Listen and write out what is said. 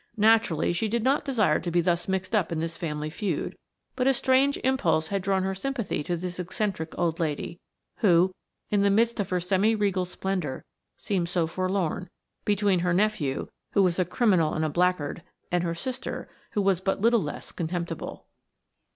Naturally she did not desire to be thus mixed up in this family feud, but a strange impulse had drawn her sympathy to this eccentric old lady, who, in the midst of her semi regal splendour seemed so forlorn, between her nephew, who was a criminal and a blackguard, and her sister, who was but little less contemptible.